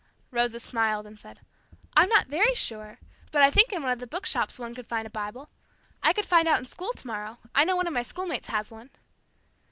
Rosa smiled, and said, "I'm not very sure, but I think in one of the book shops one could find a Bible. I could find out in school tomorrow. I know one of my schoolmates has one."